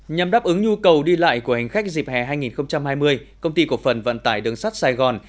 nhằm đáp ứng nhu cầu đi lại của hành khách dịp hè hai nghìn hai mươi công ty cổ phần vận tải đường sắt sài gòn